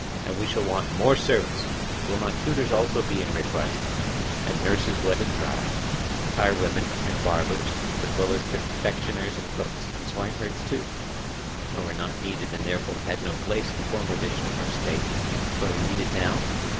And we shall want more servants. Will not tutors be also in request, and nurses wet and dry, tirewomen and barbers, as well as confectioners and cooks; and swineherds, too, who were not needed and therefore had no place in the former edition of our State, but are needed now?